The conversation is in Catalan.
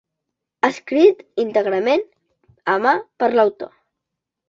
Escrit íntegrament a mà per l'autor.